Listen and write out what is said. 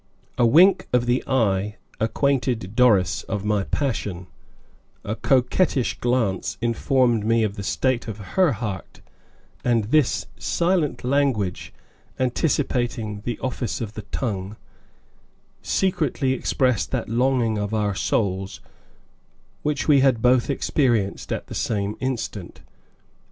A wink of the eye acquainted Doris of my passion, a coquettish glance informed me of the state of her heart, and this silent language, anticipating the office of the tongue, secretly expressed that longing of our souls which we had both experienced at the same instant.